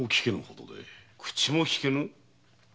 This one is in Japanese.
口もきけぬ？